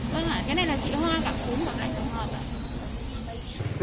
vâng ạ cái này là trị hoa cả cúm cả đành tổng hợp ạ